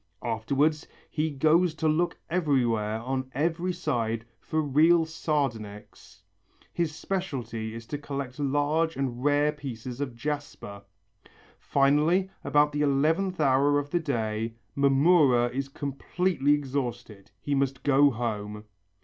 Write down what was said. Afterwards he goes to look everywhere on every side for real sardonyx; his speciality is to collect large and rare pieces of jasper. Finally, about the eleventh hour of the day, Mamurra is completely exhausted, he must go home.